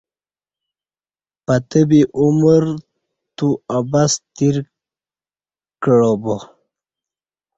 پتہ بی عمر تو عبث تیر کعہ با